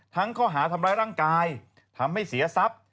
ข้อหาทำร้ายร่างกายทำให้เสียทรัพย์